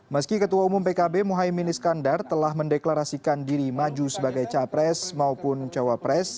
meski ketua umum pkb mohaimin iskandar telah mendeklarasikan diri maju sebagai capres maupun cawapres